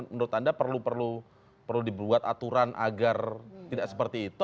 menurut anda perlu dibuat aturan agar tidak seperti itu